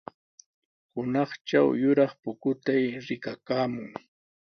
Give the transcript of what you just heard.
Hunaqtraw yuraq pukutay rikakaamun.